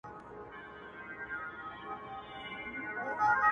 خوشحال په دې دى چي دا ستا خاوند دی,